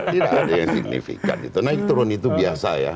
tidak ada yang signifikan itu naik turun itu biasa ya